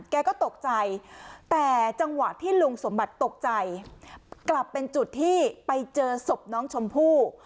แกก็ตกใจแต่จังหวะที่ลุงสมบัติตกใจกลับเป็นจุดที่ไปเจอศพน้องชมพู่